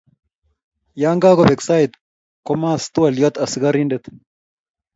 Yakakobek sait kumas twoliat askarident.